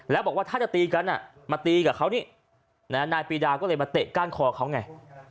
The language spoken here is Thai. แล้วบอกว่าถ้าจะตีกันมาตีกับเขานี่นายปีดาก็เลยมาเตะก้านคอเขาไง